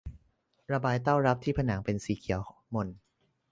ระบายเต้ารับที่ผนังเป็นสีเขียวหม่น